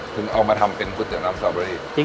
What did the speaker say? ถึงออกมาทำเป็นก๋วยเตี๋ยวน้ำสตรอเบอร์รี่